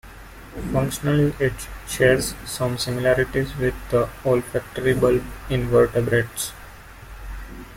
Functionally, it shares some similarities with the olfactory bulb in vertebrates.